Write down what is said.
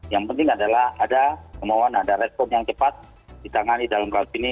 yang penting adalah ada kemauan ada respon yang cepat ditangani dalam kasus ini